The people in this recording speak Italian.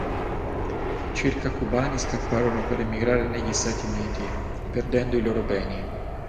Circa cubani scapparono per emigrare negli Stati Uniti, perdendo i loro beni.